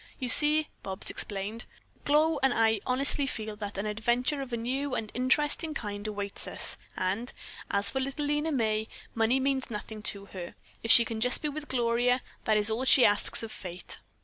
"You see," Bobs explained, "Glow and I honestly feel that an adventure of a new and interesting kind awaits us, and, as for little Lena May, money means nothing to her. If she can just be with Gloria, that is all she asks of Fate."